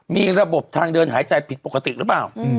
มีระบบทางเดินหายใจผิดปกติหรือเปล่า